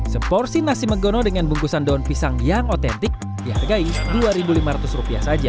seporsi nasi megono dengan bungkusan daun pisang yang otentik dihargai rp dua lima ratus saja